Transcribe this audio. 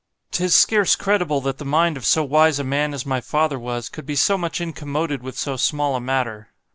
'Tis scarce credible that the mind of so wise a man as my father was, could be so much incommoded with so small a matter.